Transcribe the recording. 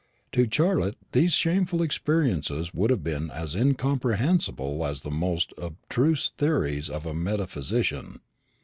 To Charlotte these shameful experiences would have been as incomprehensible as the most abstruse theories of a metaphysician.